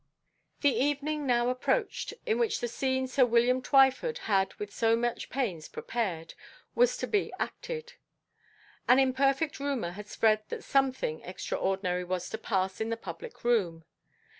_ The evening now approached, in which the scene sir William Twyford had with so much pains prepared, was to be acted. An imperfect rumour had spread that something extraordinary was to pass in the public room.